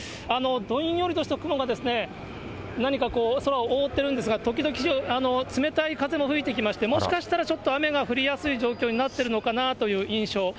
どんよりとした雲が何かこう、空を覆っているんですが、時々冷たい風も吹いてきまして、もしかしたらちょっと雨が降りやすい状態になっているのかなという印象。